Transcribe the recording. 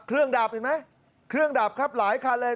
ดับเห็นไหมเครื่องดับครับหลายคันเลย